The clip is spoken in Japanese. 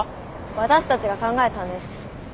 私たちが考えたんです。